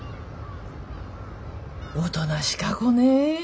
おとなしか子ね。